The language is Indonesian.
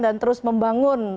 dan terus membangun